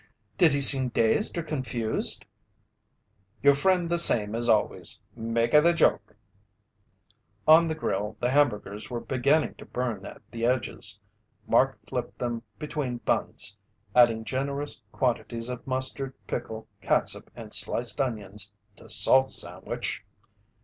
"Did he seem dazed or confused?" "Your friend the same as always. Make a the joke." On the grill, the hamburgers were beginning to burn at the edges. Mark flipped them between buns, adding generous quantities of mustard, pickle, catsup, and sliced onions to Salt's sandwich.